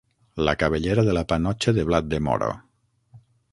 La cabellera de la panotxa de blat de moro.